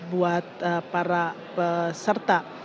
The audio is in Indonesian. buat para peserta